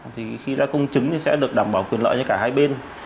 thì khi ra công chứng thì sẽ được đảm bảo quyền lợi cho cả hai bên